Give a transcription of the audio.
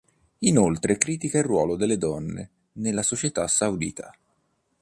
Inoltre critica il ruolo delle donne nella società saudita.